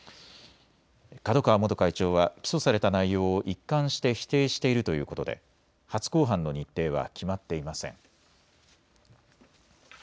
角川元会長は起訴された内容を一貫して否定しているということで初公判の日程は決まっていません。